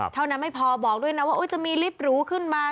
เท่านั้นไม่พอบอกด้วยนะว่าจะมีลิฟต์หรูขึ้นมา